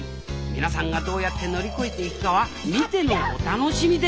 皆さんがどうやって乗り越えていくかは見てのお楽しみであります！